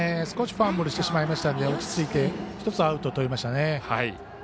少しファンブルしてしまったので落ち着いて１つアウトとりました。